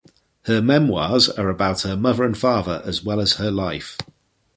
Her memoirs are about her mother and father as well as her life.